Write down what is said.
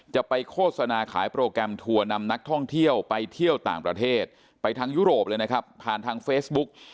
โฆษณาขายโปรแกรมทัวร์นำนักท่องเที่ยวไปเที่ยวต่างประเทศไปทางยุโรปเลยนะครับผ่านทางเฟซบุ๊ก